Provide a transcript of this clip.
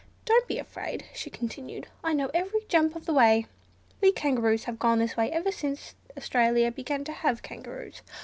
"Don't be afraid," she continued, "I know every jump of the way. We kangaroos have gone this way ever since Australia began to have kangaroos.